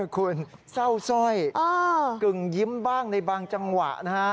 คุณเศร้าสร้อยกึ่งยิ้มบ้างในบางจังหวะนะฮะ